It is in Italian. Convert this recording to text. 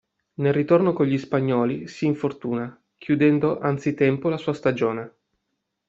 Nel ritorno con gli spagnoli si infortuna, chiudendo anzitempo la sua stagione.